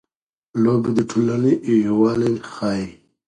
لوبې د ټولنې یووالی ښيي.